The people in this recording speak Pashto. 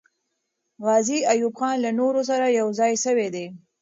غازي ایوب خان له نورو سره یو ځای سوی دی.